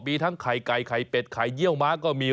มีทั้งไข่ไก่ไข่เป็ดไข่เยี่ยวม้าก็มี